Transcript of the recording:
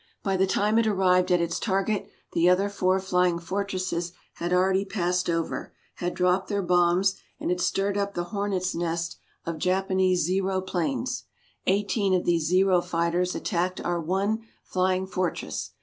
By the time it arrived at its target the other four Flying Fortresses had already passed over, had dropped their bombs, and had stirred up the hornets' nest of Japanese "Zero" planes. Eighteen of these "Zero" fighters attacked our one Flying Fortress.